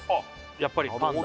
やっぱりパンだ